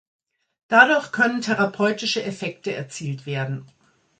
Dadurch können therapeutische Effekte erzielt werden.